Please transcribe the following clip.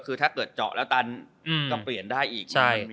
คือถ้าเกิดเจาะแล้วตันก็เปลี่ยนได้อีก